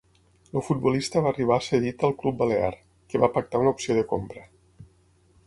El futbolista va arribar cedit al club balear, que va pactar una opció de compra.